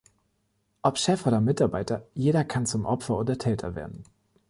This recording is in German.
Ob Chef oder Mitarbeiter, jeder kann zum Opfer oder Täter werden.